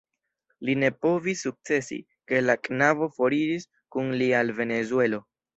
Li ne povis sukcesi, ke la knabo foriris kun li al Venezuelo.